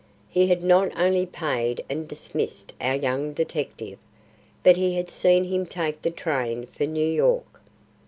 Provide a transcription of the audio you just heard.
He had not only paid and dismissed our young detective, but he had seen him take the train for New York.